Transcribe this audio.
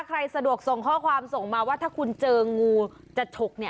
ใครสะดวกส่งข้อความส่งมาว่าถ้าคุณเจองูจะถูก